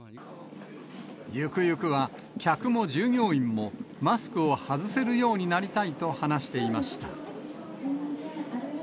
ゆくゆくは客も従業員もマスクを外せるようになりたいと話していました。